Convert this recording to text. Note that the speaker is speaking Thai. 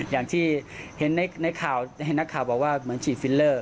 อย่างที่เห็นในข่าวเห็นนักข่าวบอกว่าเหมือนฉีดฟิลเลอร์